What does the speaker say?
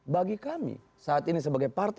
bagi kami saat ini sebagai partai